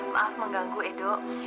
maaf mengganggu edo